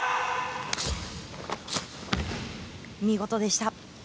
見事でした。